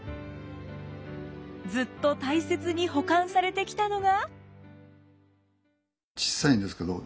ずっと大切に保管されてきたのが。